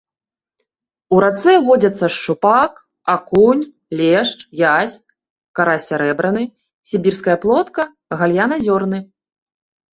У рацэ водзяцца шчупак, акунь, лешч, язь, карась сярэбраны, сібірская плотка, гальян азёрны.